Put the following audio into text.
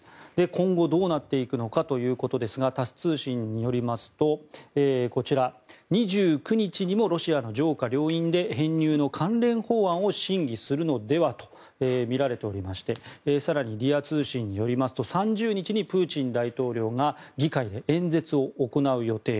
今後、どうなっていくのかということですがタス通信によりますと２９日にもロシアの上下両院で編入の関連法案を審議するのではとみられておりまして更に、リア通信によりますと３０日にプーチン大統領が議会で演説を行う予定。